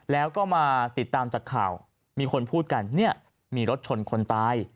แล้วก็มาติดตามจากข่าวมีคนพูดกันเนี่ยมีรถชนคนตาย